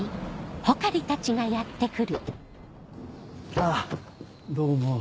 あぁどうも。